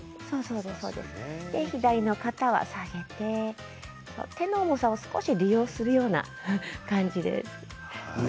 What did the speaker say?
左の肩は下げて、手の重さを少し利用するような感じです。